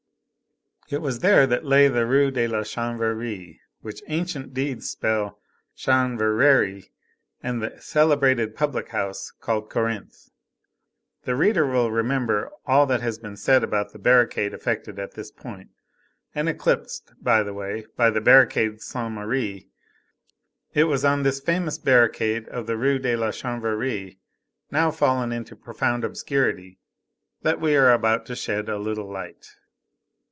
It was there that lay the Rue de la Chanvrerie, which ancient deeds spell Chanverrerie, and the celebrated public house called Corinthe. The reader will remember all that has been said about the barricade effected at this point, and eclipsed, by the way, by the barricade Saint Merry. It was on this famous barricade of the Rue de la Chanvrerie, now fallen into profound obscurity, that we are about to shed a little light.